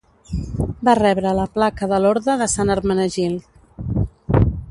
Va rebre la placa de l'Orde de Sant Hermenegild.